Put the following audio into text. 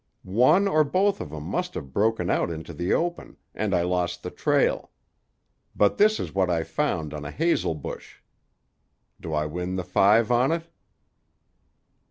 One or both of 'em must have broken out into the open, and I lost the trail. But this is what I found on a hazel bush. Do I win the five on it?"